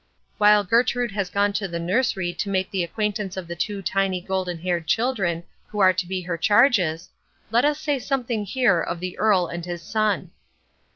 While Gertrude has gone to the nursery to make the acquaintance of the two tiny golden haired children who are to be her charges, let us say something here of the Earl and his son.